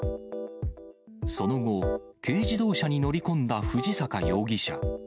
その後、軽自動車に乗り込んだ藤坂容疑者。